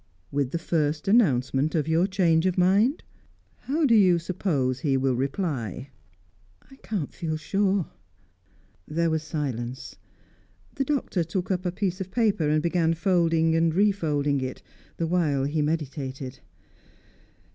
"With the first announcement of your change of mind? How do you suppose he will reply?" "I can't feel sure." There was silence. The Doctor took up a piece of paper, and began folding and re folding it, the while he meditated.